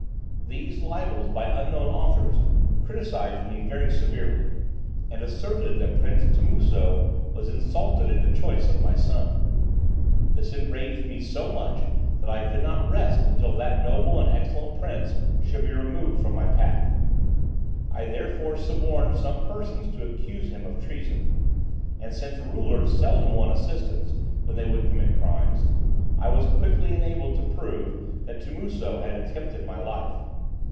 These libels, by unknown authors, criticised me very severely, and asserted that prince Timuso was insulted in the choice of my son. This enraged me so much that I could not rest until that noble and excellent prince should be removed from my path. I therefore suborned some persons to accuse him of treason; and since rulers seldom want assistants, when they would commit crimes, I was quickly enabled to prove that Timuso had attempted my life.